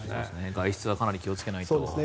外出はかなり気を付けないと。